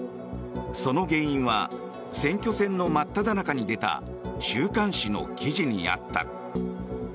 その原因は選挙戦の真っただ中に出た週刊誌の記事にあった。